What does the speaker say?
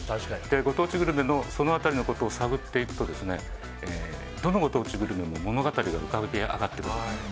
ご当地グルメのその辺りのことを探っていくとどのご当地グルメも物語が浮かび上がってくる。